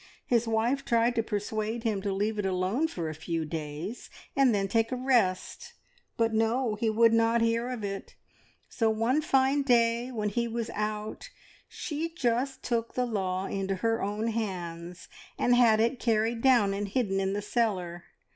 His wife tried to persuade him to leave it alone for a few days, and then take a rest; but no, he would not hear of it, so one fine day, when he was out, she just took the law into her own hands and had it carried down and hidden in the cellar.